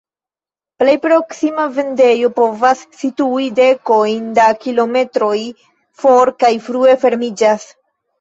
Plej proksima vendejo povas situi dekojn da kilometroj for kaj frue fermiĝas.